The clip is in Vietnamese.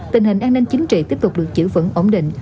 tình hình an ninh chính trị tiếp tục được giữ vững ổn định